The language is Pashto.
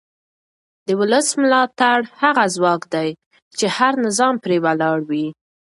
د ولس ملاتړ هغه ځواک دی چې هر نظام پرې ولاړ وي